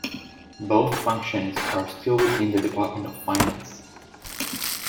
Both functions are still within the Department of Finance.